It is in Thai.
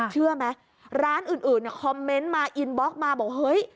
เชื่อไหมร้านอื่นคอมเมนต์มาอินบล็อกมาบอกเฮ้ย